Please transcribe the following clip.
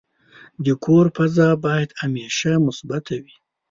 د کور فضا باید همیشه مثبته وي.